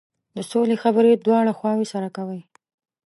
د سولې خبرې دواړه خواوې سره کوي.